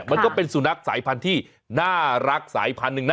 มันก็เป็นสุนัขสายพันธุ์ที่น่ารักสายพันธุ์หนึ่งนะ